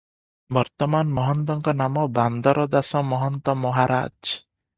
ବର୍ତ୍ତମାନ ମହନ୍ତଙ୍କ ନାମ ବାନ୍ଦର ଦାସ ମହନ୍ତ ମହାରାଜ ।